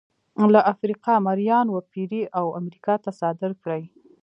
له افریقا مریان وپېري او امریکا ته صادر کړي.